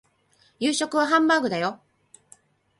夕食はハンバーグだよ